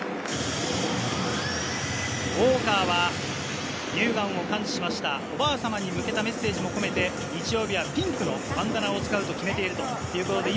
ウォーカーは、乳がんを完治したおばあ様に向けて、日曜日はピンクのバンダナを使うと決めていると。